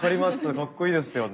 かっこいいですよね。